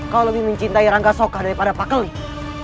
kau lebih mencintai rangga soka daripada pak keling